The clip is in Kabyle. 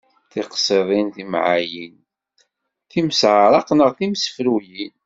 Tiqṣiḍin, timɛayin, timseɛraq neɣ timsefruyin.